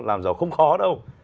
làm giàu không khó đâu